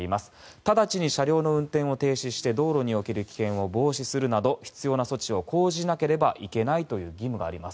直ちに車両の運転を停止して道路における危険を防止するなど必要な措置を講じなければいけないという義務があります。